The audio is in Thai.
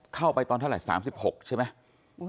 เข้าไปตอนเท่าไหร่๓๖ใช่ไหม